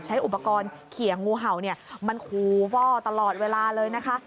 ใช้อุปกรณ์เขียงงูเห่ามันคูฟ่อตลอดเวลาเลยนะคะ